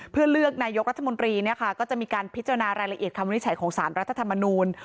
เพื่อเลือกนายกรัฐมนตรีก็จะมีการพิจารณารายละเอียดคำวินิจฉัยของสารรัฐธรรมนูล